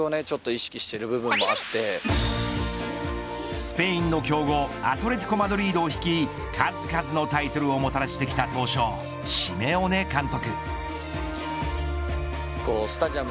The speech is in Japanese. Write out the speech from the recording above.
スペインの強豪アトレティコ・マドリードを率い数々のタイトルをもたらしてきた闘将シメオネ監督。